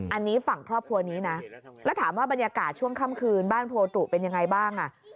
อันนี้ฝั่งครอบครัวนี้นะแล้วถามว่าบรรยากาศช่วงค่ำคืนบ้านโพตุเป็นยังไงบ้าง